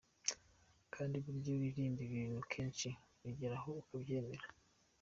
Kandi burya iyo uririmba ibintu kenshi ugera aho ukabyemera.